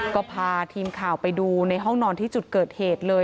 ก็พาทีมข่าวไปดูในห้องนอนที่จุดเกิดเหตุเลย